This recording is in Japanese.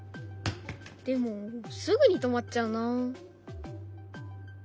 でもすぐに止まっちゃうなあ。